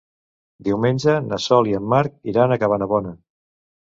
Diumenge na Sol i en Marc iran a Cabanabona.